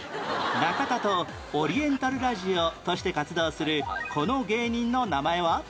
中田とオリエンタルラジオとして活動するこの芸人の名前は？